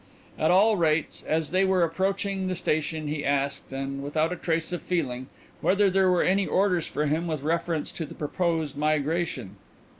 At all events, as they were approaching the station he asked, and without a trace of feeling, whether there were any orders for him with reference to the proposed migration.